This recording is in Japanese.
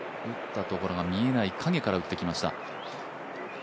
打ったところが見えない、陰から打ってきました。